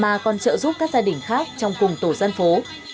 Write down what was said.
mà còn trợ giúp các gia đình khác trong cùng tổ dân phố